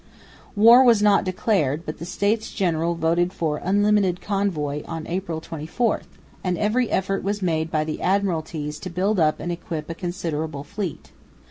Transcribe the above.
War was not declared, but the States General voted for "unlimited convoy" on April 24; and every effort was made by the Admiralties to build and equip a considerable fleet.